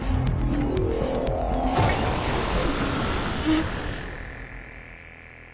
えっ。